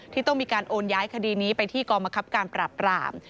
ที่ต้องมีการโอนย้ายคดีนี้ไปที่กรมคับการปราบราม